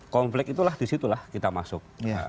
konflik itulah disitulah kita masuk